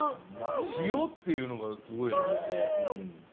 塩っていうのがすごいね。